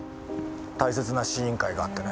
大切な試飲会があってね。